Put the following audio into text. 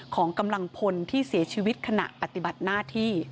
ของกำลังพลที่เสียชีวิตขณะปฏิบัติหน้าที่